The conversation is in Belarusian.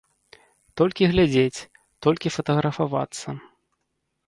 Толькі глядзець, толькі фатаграфавацца.